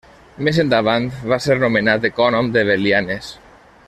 Més endavant va ser nomenat ecònom de Belianes.